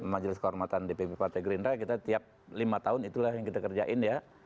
majelis kehormatan dpp partai gerindra kita tiap lima tahun itulah yang kita kerjain ya